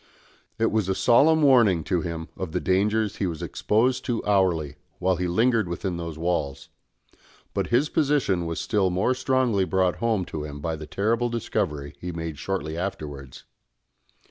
It was a solemn warning to him of the dangers he was exposed to hourly, while he lingered within those walls; but his position was still more strongly brought home to him by the terrible discovery he made shortly afterwards.